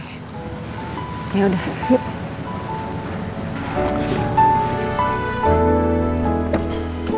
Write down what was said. ya udah yuk